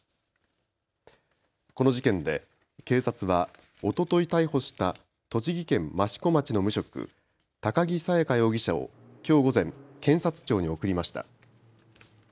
この事件で、警察はおととい逮捕した栃木県益子町の無職、高木沙耶花容疑者をきょう午前、検察庁に送りました。